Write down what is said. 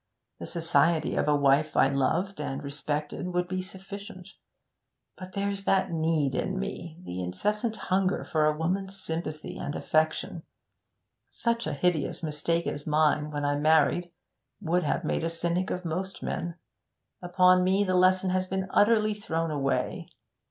The society of a wife I loved and respected would be sufficient. But there's that need in me the incessant hunger for a woman's sympathy and affection. Such a hideous mistake as mine when I married would have made a cynic of most men; upon me the lesson has been utterly thrown away.